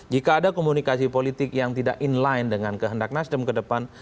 jika ada komunikasi politik yang tidak inline dengan kehendak nasdem ke depan